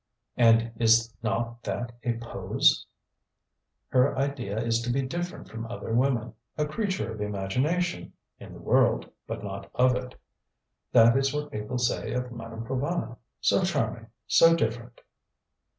"And is not that a pose? Her idea is to be different from other women a creature of imagination in the world, but not of it. That is what people say of Madame Provana. So charming! So different!